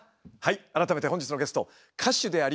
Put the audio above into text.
改めて本日のゲスト歌手でありモノマネ